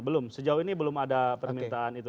belum sejauh ini belum ada permintaan itu